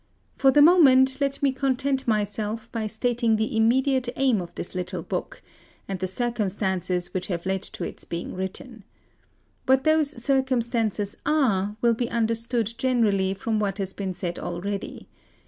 For the moment let me content myself by stating the immediate aim of this little book, and the circumstances which have led to its being written. What those circumstances are will be understood generally from what has been said already.